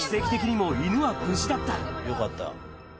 よかった。